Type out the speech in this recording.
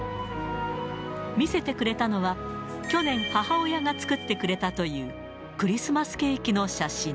見せてくれたのは、去年、母親が作ってくれたというクリスマスケーキの写真。